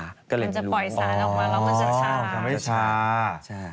ทำให้ชาก็จะปล่อยสารออกมาแล้วมันจะชา